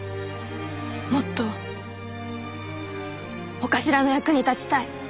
もっとお頭の役に立ちたい。